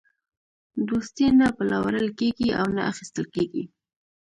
دوستي نه پلورل کېږي او نه اخیستل کېږي.